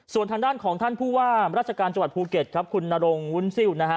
ส่วนทางด้านของท่านผู้ว่าราชการจังหวัดภูเก็ตครับคุณนรงวุ้นซิลนะฮะ